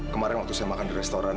kemarin waktu saya makan di restoran